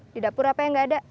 di dapur apa yang nggak ada